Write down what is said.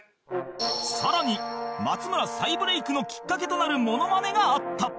さらに松村再ブレイクのきっかけとなるモノマネがあった